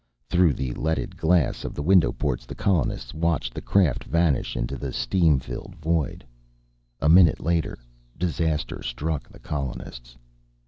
Through the leaded glass of the window ports, the colonists watched the craft vanish into the steam filled wind. A minute later disaster struck the colonists.